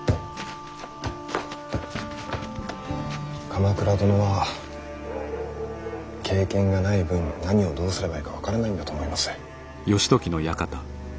鎌倉殿は経験がない分何をどうすればいいか分からないんだと思います。